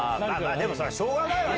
でもそりゃしょうがないわね。